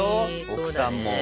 奥さんも。